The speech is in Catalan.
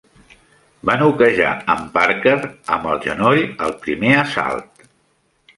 Va noquejar en Parker amb el genoll al primer assalt.